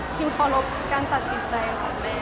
พิมขอรบการตัดสินใจของแม่